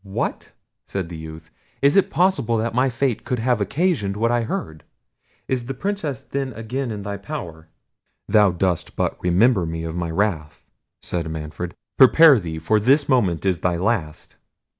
"What!" said the youth; "is it possible that my fate could have occasioned what I heard! Is the Princess then again in thy power?" "Thou dost but remember me of my wrath," said Manfred. "Prepare thee, for this moment is thy last."